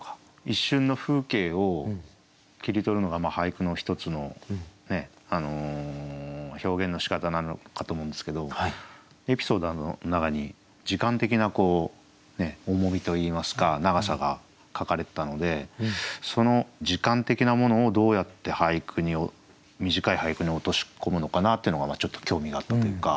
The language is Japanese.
一瞬の風景を切り取るのが俳句の一つの表現のしかたなのかと思うんですけどエピソードの中に時間的な重みといいますか長さが書かれてたのでその時間的なものをどうやって短い俳句に落とし込むのかなっていうのがちょっと興味があったというか。